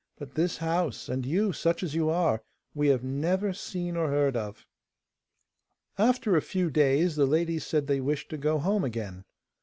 But this house, and you, such as you are, we have never seen or heard of.' After a few days, the ladies said they wished to go home again.